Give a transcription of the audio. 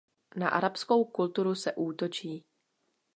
Na arabskou kulturu se útočí.